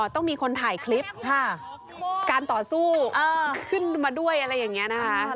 ต้องมีคนถ่ายคลิปการต่อสู้ขึ้นมาด้วยอะไรอย่างนี้นะคะ